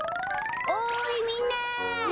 おいみんな！